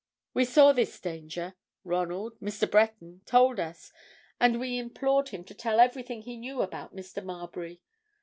We saw his danger: Ronald—Mr. Breton—told us, and we implored him to tell everything he knew about Mr. Marbury.